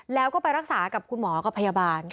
แล้วก็ไปรักษากับคุณหมอกับพยาบาล